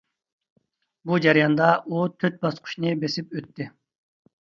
بۇ جەرياندا ئۇ تۆت باسقۇچنى بېسىپ ئۆتتى.